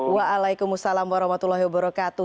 waalaikumsalam warahmatullahi wabarakatuh